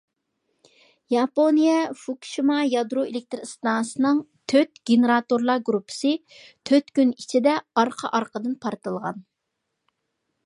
ياپونىيە فۇكۇشىما يادرو ئېلېكتىر ئىستانسىسىنىڭ تۆت گېنېراتورلار گۇرۇپپىسى تۆت كۈن ئىچىدە ئارقا-ئارقىدىن پارتلىغان.